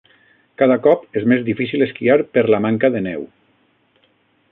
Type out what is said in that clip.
Cada cop és més difícil esquiar per la manca de neu.